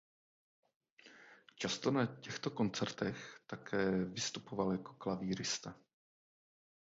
Často na těchto koncertech také vystupoval jako klavírista.